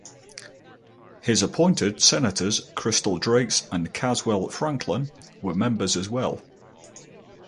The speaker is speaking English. His appointed senators Crystal Drakes and Caswell Franklyn were members as well.